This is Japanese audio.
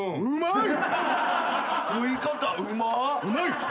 うまい！